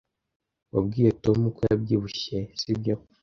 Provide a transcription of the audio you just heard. Wabwiye Tom ko yabyibushye, sibyo?